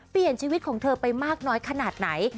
เปลี่ยนชีวิตของเธอไปมากน้อยขนาดไหน